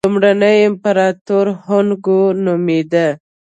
لومړنی امپراتور هونګ وو نومېده.